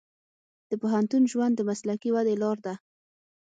د پوهنتون ژوند د مسلکي ودې لار ده.